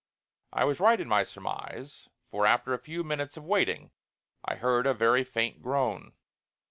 I was right in my surmise, for after a few minutes of waiting I heard a very faint groan.